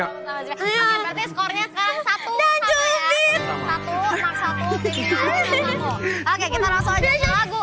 oke kita langsung aja ke lagu